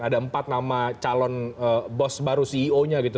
ada empat nama calon bos baru ceo nya gitu